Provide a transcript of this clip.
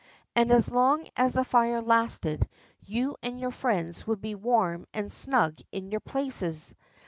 And as long as the fire lasted, you and your friends would be warm and snug in your places.